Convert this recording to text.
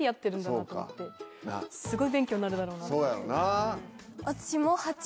そうやろな。